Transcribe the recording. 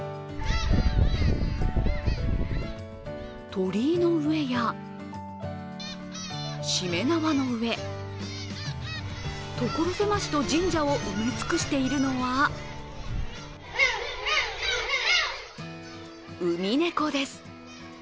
鳥居の上や、しめ縄の上、所狭しと神社を埋め尽くしているのはウミネコです。